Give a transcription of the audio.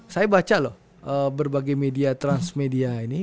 saya baca loh berbagai media transmedia ini